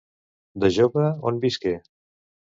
De jove, on visqué?